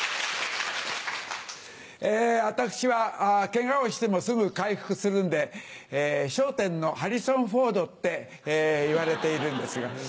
私はケガをしてもすぐ回復するんで『笑点』のハリソン・フォードっていわれているんですが。